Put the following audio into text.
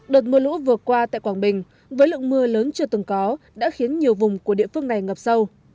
đợt mưa lũ vừa qua tại quảng bình với lượng mưa lớn chưa từng có đã khiến nhiều vùng của địa phương này ngập sâu